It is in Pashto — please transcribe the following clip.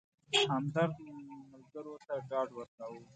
همدرد ملګرو ته ډاډ ورکاوه.